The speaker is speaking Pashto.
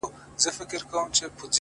وخت پر ما ژاړي وخت له ما سره خبرې کوي”